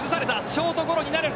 ショートゴロになる。